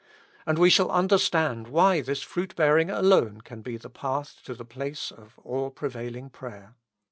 And we shall under stand why this fruit bearing alone can be the path to the place of all prevailing prayer.